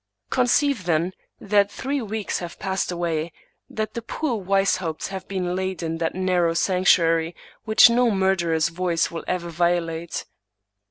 Conceive, then, that three weeks have passed away, that the poor Weishaupts have been laid in that narrow sanc tuary which no murderer's voice will ever violate.